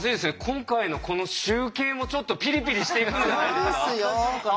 今回のこの集計もちょっとピリピリしていくんじゃないですか？